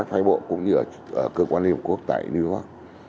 phai bộ cũng như ở cơ quan liên hợp quốc tại new york